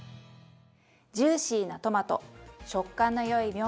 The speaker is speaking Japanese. ジューシーなトマト食感のよいみょうがとパプリカ。